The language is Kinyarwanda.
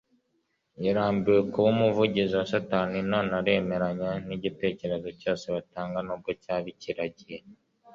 Yarambiwe kuba umuvugizi wa satani none aremeranya nigitekerezo cyose batanga nubwo cyaba ikiragi